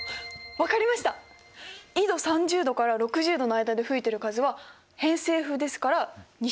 緯度３０度から６０度の間で吹いてる風は偏西風ですから西寄りの風。